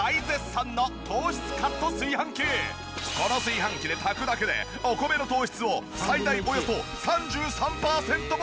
この炊飯器で炊くだけでお米の糖質を最大およそ３３パーセントもカット！